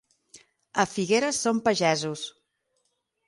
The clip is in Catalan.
A Figueres són pagesos.